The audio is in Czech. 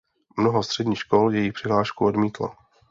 Mnoho středních škol její přihlášku odmítlo.